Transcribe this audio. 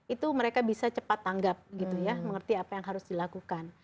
itu mereka bisa cepat tanggap gitu ya mengerti apa yang harus dilakukan